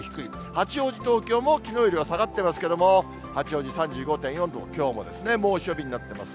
八王子、東京も、きのうよりは下がってますけれども、八王子３５．４度、きょうも猛暑日になってます。